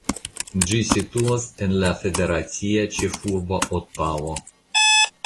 Ĝi situas en la federacia ĉefurbo Otavo.